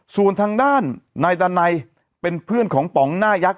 ส่วนทางด้านนายดันัยเป็นเพื่อนของป๋องหน้ายักษ